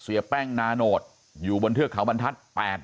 เสียแป้งนาโนตอยู่บนเทือกเขาบรรทัศน์